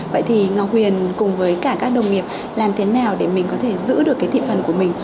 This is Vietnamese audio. vậy thì ngọc huyền cùng với cả các đồng nghiệp làm thế nào để mình có thể giữ được cái thị phần của mình